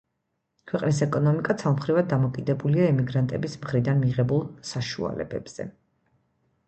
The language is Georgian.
ქვეყნის ეკონომიკა ცალმხრივად დამოკიდებულია ემიგრანტების მხრიდან მიღებულ საშუალებებზე.